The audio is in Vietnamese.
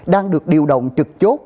đang được điều động trực chốt